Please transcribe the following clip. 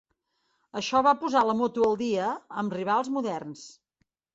Això va posar la moto al dia amb rivals moderns.